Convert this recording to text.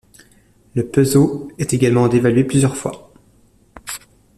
Le peso est également dévalué plusieurs fois.